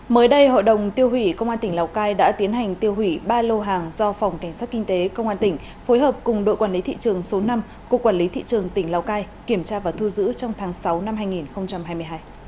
mới đây hội đồng tiêu hủy công an tỉnh lào cai đã tiến hành tiêu hủy ba lô hàng do phòng cảnh sát kinh tế công an tỉnh phối hợp cùng đội quản lý thị trường số năm cục quản lý thị trường tỉnh lào cai kiểm tra và thu giữ trong tháng sáu năm hai nghìn hai mươi hai